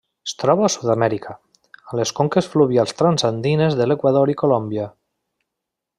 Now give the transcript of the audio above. Es troba a Sud-amèrica, a les conques fluvials transandines de l'Equador i Colòmbia.